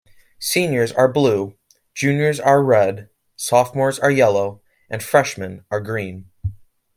Seniors are Blue, Juniors are Red, Sophomores are Yellow, and Freshmen are Green.